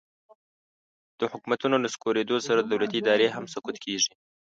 د حکومتونو نسکورېدو سره دولتي ادارې هم سقوط کیږي